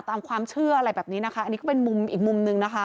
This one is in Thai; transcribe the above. ตามความเชื่ออะไรแบบนี้นะคะอันนี้ก็เป็นมุมอีกมุมนึงนะคะ